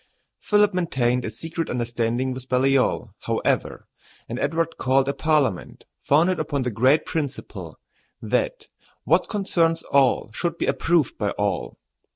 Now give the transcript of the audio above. Philip maintained a secret understanding with Baliol, however, and Edward called a parliament, founded upon the great principle that "what concerns all should be approved by all."